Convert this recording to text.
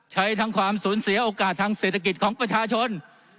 ทั้งความสูญเสียโอกาสทางเศรษฐกิจของประชาชน